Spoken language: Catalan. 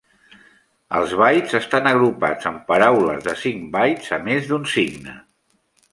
Els bytes estan agrupats en paraules de cinc bytes a més d'un signe.